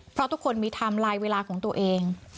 เพราะทุกคนมีไทม์ไลน์เวลาของตัวเอง